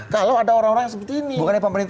kalau ada orang orang seperti ini